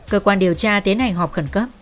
cơ quan điều tra tiến hành họp khẩn cấp